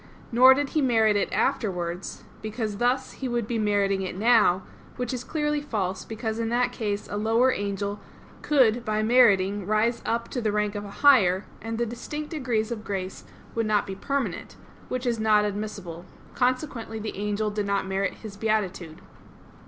Nor did he merit it afterwards, because thus he would be meriting it now; which is clearly false, because in that case a lower angel could by meriting rise up to the rank of a higher, and the distinct degrees of grace would not be permanent; which is not admissible. Consequently the angel did not merit his beatitude.